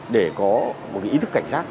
để có một cái ý thức cảnh sát